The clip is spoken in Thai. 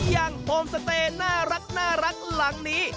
โฮมสเตย์น่ารักหลังนี้